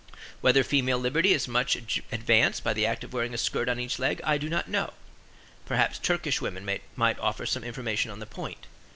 Whether female liberty is much advanced by the act of wearing a skirt on each leg I do not know; perhaps Turkish women might offer some information on the point.